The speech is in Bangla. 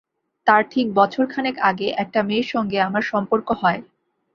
তার ঠিক বছর খানেক আগে একটা মেয়ের সঙ্গে আমার সম্পর্ক হয়।